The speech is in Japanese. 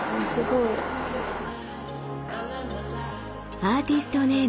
アーティストネーム